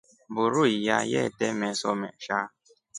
Mburu iya yete meso mesha.